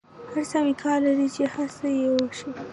هر څه امکان لری چی هڅه یی وشی